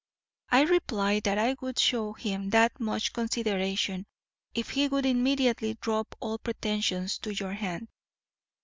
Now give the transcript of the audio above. I replied that I would show him that much consideration if he would immediately drop all pretensions to your hand.